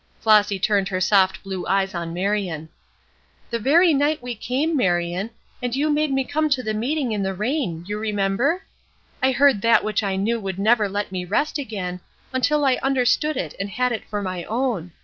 Flossy turned her soft blue eyes on Marion. "The very night we came, Marion, and you made me come to the meeting in the rain, you remember? I heard that which I knew would never let me rest again, until I understood it and had it for my own.